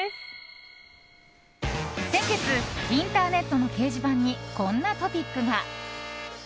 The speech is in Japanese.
先月、インターネットの掲示板にこんなトピックが。